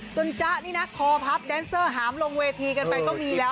จ๊ะนี่นะคอพับแดนเซอร์หามลงเวทีกันไปก็มีแล้ว